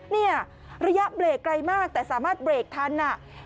เนี่ยระยะเบรกไกลมากแต่สามารถเบรกทันอ่ะ